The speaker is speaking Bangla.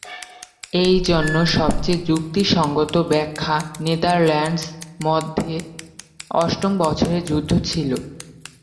এই জন্য সবচেয়ে যুক্তিসঙ্গত ব্যাখ্যা নেদারল্যান্ডস মধ্যে অষ্টম বছরের যুদ্ধ ছিল।